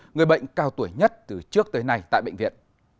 người bệnh cao tuổi nhất từ trước tới nay tại bệnh viện